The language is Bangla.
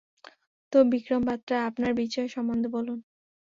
তো বিক্রম বাতরা, আপনার বিজয় সম্বন্ধে বলুন।